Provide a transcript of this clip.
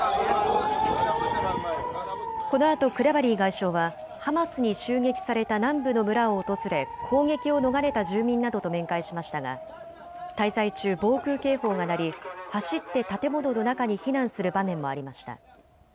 このあとクレバリー外相はハマスに襲撃された南部の村を訪れ攻撃を逃れた住民などと面会しましたが滞在中、防空警報が鳴り走って建物の中に避難する場面もありました。